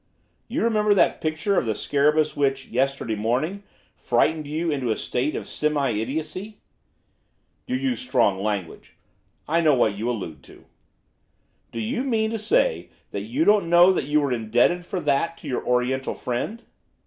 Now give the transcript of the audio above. You remember that picture of the scarabaeus which, yesterday morning, frightened you into a state of semi idiocy.' 'You use strong language. I know what you allude to.' 'Do you mean to say that you don't know that you were indebted for that to your Oriental friend?